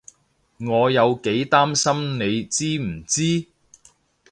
我有幾擔心你知唔知？